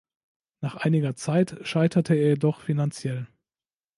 Nach einiger Zeit scheiterte er jedoch finanziell.